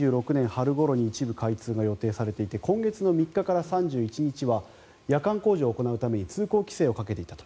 春ごろに一部開通が予定されていて今月３日から３１日は夜間工事を行うために通行規制をかけていたと。